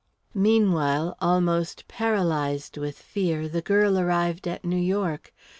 Meanwhile, almost paralysed with fear, the girl arrived at New York.